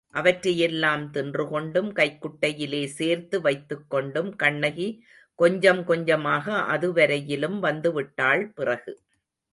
அவற்றையெல்லாம் தின்றுகொண்டும், கைக்குட்டையிலே சேர்த்து வைத்துக்கொண்டும் கண்ணகி கொஞ்சம் கொஞ்சமாக அதுவரையிலும் வந்துவிட்டாள் பிறகு.